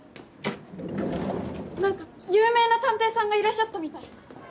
何か有名な探偵さんがいらっしゃったみたい。